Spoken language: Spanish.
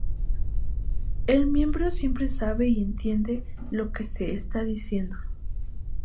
El miembro siempre sabe y entiende lo que se está diciendo.